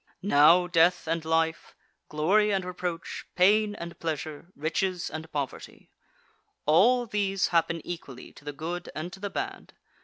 Now death and life, glory and reproach, pain and pleasure, riches and poverty all these happen equally to the good and to the bad.